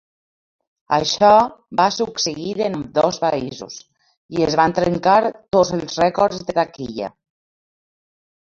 Això va succeir en ambdós països, i es van trencar tots els rècords de taquilla.